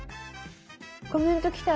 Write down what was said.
コメント来た。